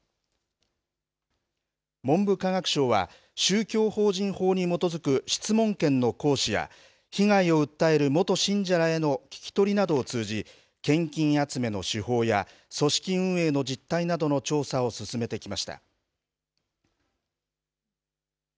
文部科学省は宗教法人法に基づく質問権の行使や被害を訴える元信者らへの聞き取りなどを通じ献金集めの手法や組織運営の実態などの調査を進めてきました。